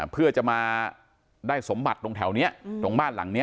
เพื่อจะมาได้สมบัติตรงแถวนี้ตรงบ้านหลังนี้